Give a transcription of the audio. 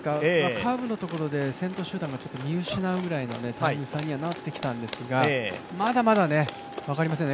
カーブのところで先頭集団も見失うぐらいのタイム差になってきたんですがまだまだ分かりません。